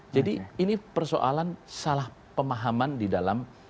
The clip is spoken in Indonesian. jadi ini persoalan salah pemahaman di dalam